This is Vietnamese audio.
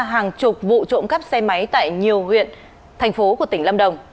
hàng chục vụ trộm cắp xe máy tại nhiều huyện thành phố của tỉnh lâm đồng